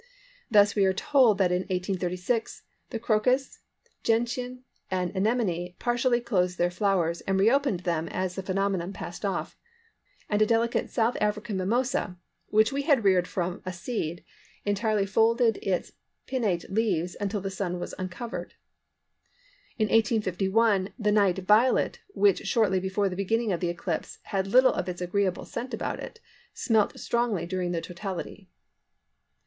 Thus we are told that in 1836 "the crocus, gentian and anemone partially closed their flowers and reopened them as the phenomenon passed off: and a delicate South African mimosa which we had reared from a seed entirely folded its pinnate leaves until the Sun was uncovered." In 1851 "the night violet, which shortly before the beginning of the eclipse had little of its agreeable scent about it, smelt strongly during the totality."